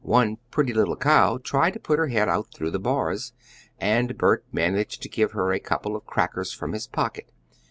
One pretty little cow tried to put her head out through the bars, and Bert managed to give her a couple of crackers from his pocket.